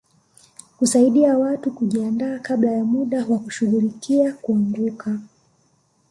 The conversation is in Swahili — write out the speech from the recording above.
Kusaidia watu kujiandaa kabla ya muda na kushughulikia kuanguka